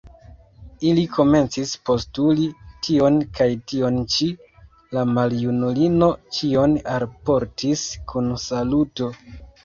Ili komencis postuli tion kaj tion ĉi; la maljunulino ĉion alportis kun saluto.